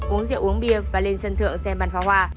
uống rượu uống bia và lên sân thượng xem bàn phá hoa